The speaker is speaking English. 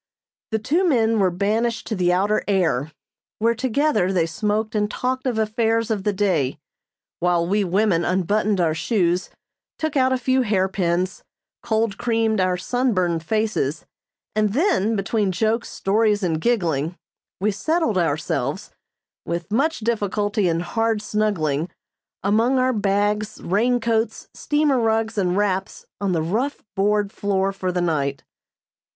The two men were banished to the outer air, where together they smoked and talked of affairs of the day, while we women unbuttoned our shoes, took out a few hairpins, cold creamed our sunburned faces, and then, between jokes, stories and giggling, we settled ourselves, with much difficulty and hard snuggling, among our bags, raincoats, steamer rugs and wraps on the rough board floor for the night.